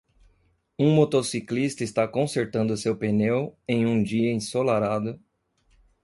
Um motociclista está consertando seu pneu em um dia ensolarado